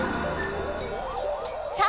さあ！